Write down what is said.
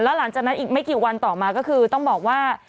หลังจากนั้นอีกไม่กี่วันต่อมาก็คือต้องบอกว่า